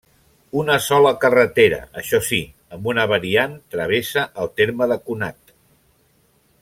Una sola carretera, això sí, amb una variant, travessa el terme de Conat.